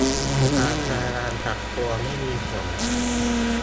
ความพยายามปรับตัวไม่มีผล